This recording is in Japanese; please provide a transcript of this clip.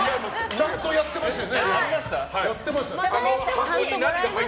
ちゃんとやってましたよね。